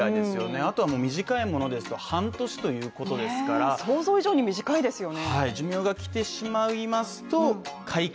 あとはもう短いものですと半年ということですから、想像以上に短いですよね